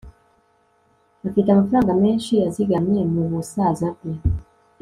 afite amafaranga menshi yazigamye mubusaza bwe